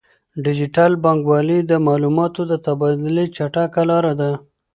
ډیجیټل بانکوالي د معلوماتو د تبادلې چټکه لاره ده.